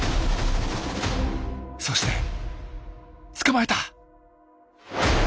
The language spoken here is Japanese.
そして捕まえた！